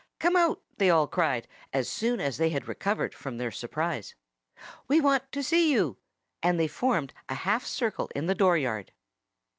"Come out!" they all cried, as soon as they had recovered from their surprise. "We want to see you!" And they formed a half circle in the dooryard.